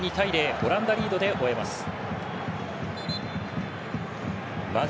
オランダ、リードで終えます。